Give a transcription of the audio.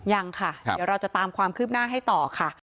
ยังค่ะเดี๋ยวเราจะตามความคืบหน้าให้ต่อค่ะ